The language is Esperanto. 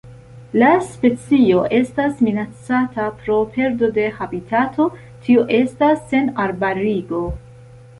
La specio estas minacata pro perdo de habitato tio estas senarbarigo.